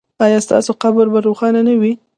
ایا ستاسو قبر به روښانه نه وي؟